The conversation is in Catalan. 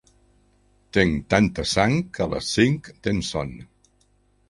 Tenc tanta sang que a les cinc tenc son.